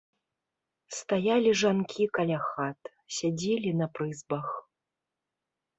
Стаялі жанкі каля хат, сядзелі на прызбах.